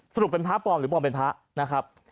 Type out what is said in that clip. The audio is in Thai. สรุปเป็นพระปลอมหรือปลอมเป็นพระนะครับ